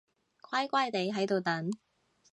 乖乖哋喺度等